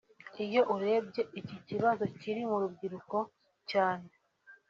Iyo urebye iki kibazo kiri mu rubyiruko cyane